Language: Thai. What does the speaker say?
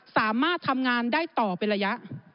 สามารถทำงานได้ต่อเป็นระยะ